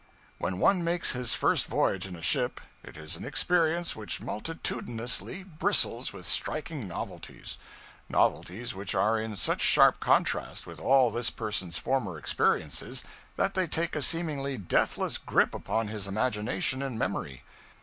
When one makes his first voyage in a ship, it is an experience which multitudinously bristles with striking novelties; novelties which are in such sharp contrast with all this person's former experiences that they take a seemingly deathless grip upon his imagination and memory.